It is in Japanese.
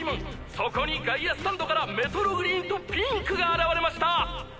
そこに外野スタンドからメトログリーンとピンクが現れました